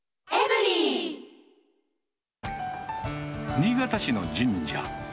新潟市の神社。